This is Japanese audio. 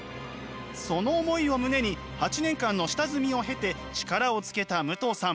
その思いを胸に８年間の下積みを経て力をつけた武藤さん。